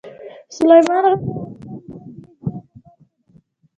سلیمان غر د افغانستان د طبیعي زیرمو برخه ده.